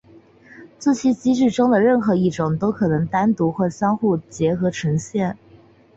这些机制中的任何一种都可能单独或相互结合呈现。